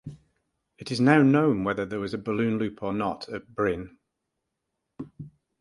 It is now known whether there was a balloon loop or not at Bryn.